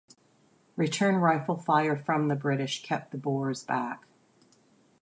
Return rifle fire from the British kept the Boers back.